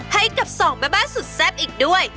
ให้กับสองแม่บ้านสุดแซ่บอีกด้วย